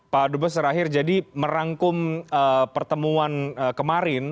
pak dubes terakhir jadi merangkum pertemuan kemarin